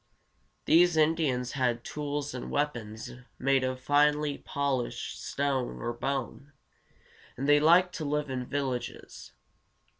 These Indians had tools and weapons made of finely polished stone or bone, and they liked to live in villages.